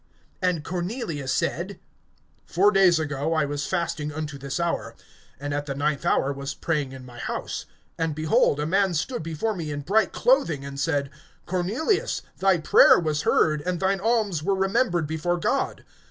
(30)And Cornelius said: Four days ago I was fasting unto this hour, and at the ninth hour was praying in my house; and, behold, a man stood before me in bright clothing, (31)and said: Cornelius, thy prayer was heard, and thine alms were remembered before God.